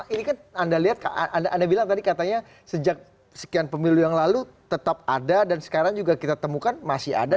ini kan anda lihat anda bilang tadi katanya sejak sekian pemilu yang lalu tetap ada dan sekarang juga kita temukan masih ada